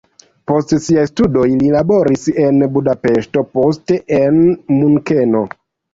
Post siaj studoj li laboris en Budapeŝto, poste en Munkeno.